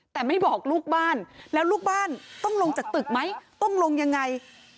แต่ไม่บอกลูกบ้านแล้วลูกบ้านต้องลงจากตึกไหมต้องลงยังไง